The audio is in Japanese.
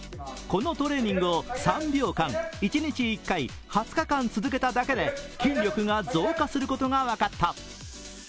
このトレーニングを３秒間一日１回、２０日間続けただけで筋力が増加することが分かった。